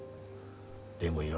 でもよ